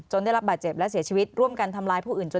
ได้รับบาดเจ็บและเสียชีวิตร่วมกันทำร้ายผู้อื่นจน